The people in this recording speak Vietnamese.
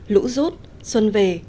lũ rút xuân về